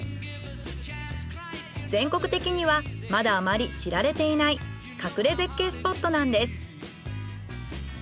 全国的にはまだあまり知られていない隠れ絶景スポットなんです。